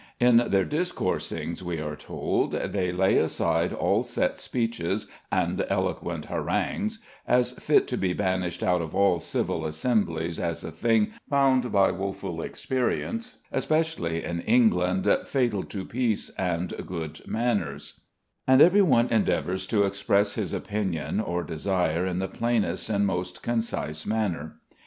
"In their discoursings," we are told, "they lay aside all set speeches, and eloquent harangues (as fit to be banished out of all civil assemblies, as a thing found by woeful experience, especially in England, fatal to peace and good manners), and everyone endeavours to express his opinion or desire in the plainest and most concise manner."